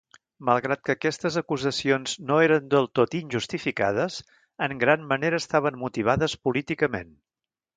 Malgrat que aquestes acusacions no eren del tot injustificades, en gran manera estaven motivades políticament.